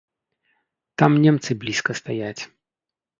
Там немцы блізка стаяць.